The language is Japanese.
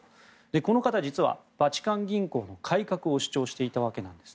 この方、実はバチカン銀行の改革を主張していたわけなんです。